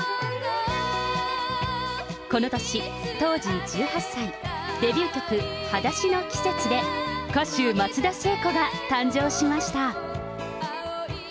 この年、当時１８歳、デビュー曲、裸足の季節で歌手、松田聖子が誕生しました。